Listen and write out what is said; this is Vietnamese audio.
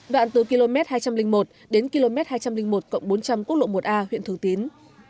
đoạn từ km hai trăm linh một đến km hai trăm linh một bốn trăm linh quốc lộ một a huyện thường tín